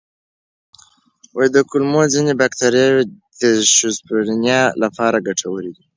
د کولمو ځینې بکتریاوې د شیزوفرینیا لپاره ګټورې دي.